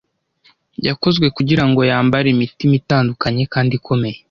yakozwe kugirango yambare imitima itanduye kandi ikomeye